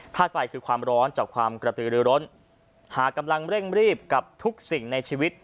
ธาตุไฟคือความร้อนจากความกระตือรือร้นหากกำลังเร่งรีบกับทุกสิ่งในชีวิต